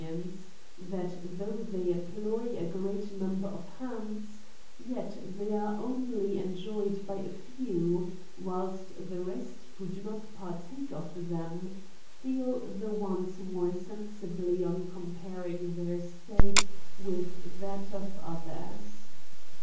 ence, that though they employ a great number of hands, yet they are only enjoyed by a few, whilst the rest who do not partake of them, feel the want more sensibly on comparing their state with that of others.